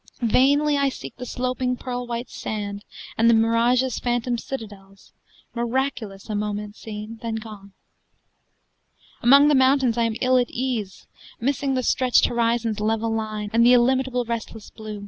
Vainly I seek the sloping pearl white sand And the mirage's phantom citadels Miraculous, a moment seen, then gone. Among the mountains I am ill at ease, Missing the stretched horizon's level line And the illimitable restless blue.